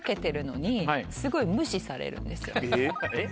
えっ？